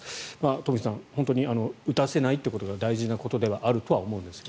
東輝さん、本当に撃たせないということが大事なことではあると思うんですが。